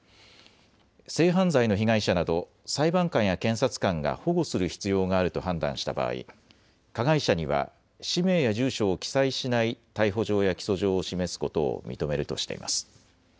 性犯罪の被害者など裁判官や検察官が保護する必要があると判断した場合、加害者には氏名や住所を記載しない逮捕状や起訴状を示すことを認めるとしています。